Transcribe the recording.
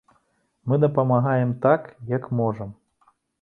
Мы дапамагаем так, як можам.